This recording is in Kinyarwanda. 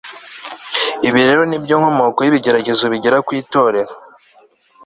ibi rero ni byo nkomoko y'ibigeragezo bigera ku itorero